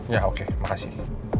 ya oke makasih